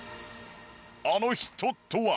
あの人とは。